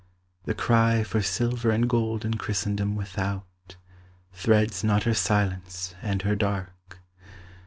The cry for silver and gold in Christendom Without, threads not her silence and her dark.